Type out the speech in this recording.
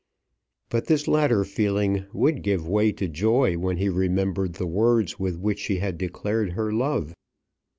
But this latter feeling would give way to joy when he remembered the words with which she had declared her love.